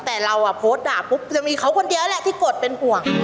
แต่เราโพสต์ด่าปุ๊บจะมีเขาคนเดียวแหละที่กดเป็นห่วง